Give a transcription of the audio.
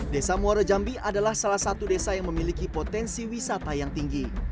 desa muara jambi adalah salah satu desa yang memiliki potensi wisata yang tinggi